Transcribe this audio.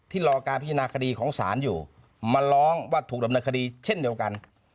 รอการพิจารณาคดีของศาลอยู่มาร้องว่าถูกดำเนินคดีเช่นเดียวกัน